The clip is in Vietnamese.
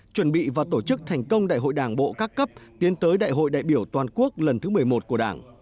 chuẩn bị và tổ chức thành công đại hội đảng bộ các cấp tiến tới đại hội đại biểu toàn quốc lần thứ một mươi một của đảng